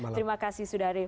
terima kasih sudah hadir